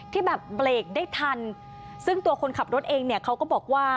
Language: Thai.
ที่แบบเบรกได้ทันซึ่งตัวคนขับรถเองเนี่ยเขาก็บอกว่า